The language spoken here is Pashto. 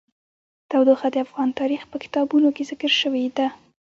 تودوخه د افغان تاریخ په کتابونو کې ذکر شوی دي.